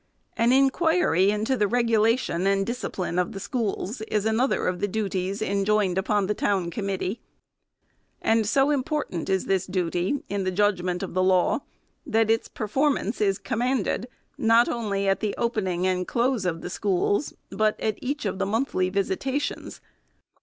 An inquiry into the " regulation and discipline " of the schools is another of the duties enjoined upon the town committee ; and so important is this duty, in the judg ment of the law, that its performance is commanded, not only at the opening and close of the schools, but at each of the monthly visitations.